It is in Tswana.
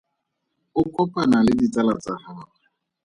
O kopana le ditsala tsa gagwe.